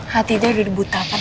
hati dia udah dibutakan